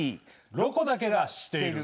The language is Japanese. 「ロコだけが知っている」。